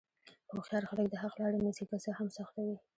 هوښیار خلک د حق لاره نیسي، که څه هم سخته وي.